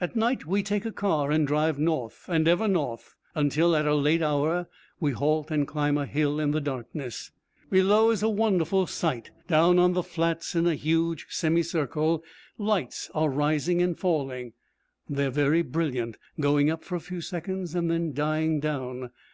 At night we take a car and drive north, and ever north, until at a late hour we halt and climb a hill in the darkness. Below is a wonderful sight. Down on the flats, in a huge semi circle, lights are rising and falling. They are very brilliant, going up for a few seconds and then dying down.